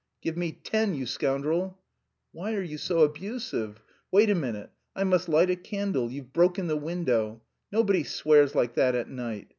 "Give me ten, you scoundrel!" "Why are you so abusive. Wait a minute, I must light a candle; you've broken the window.... Nobody swears like that at night.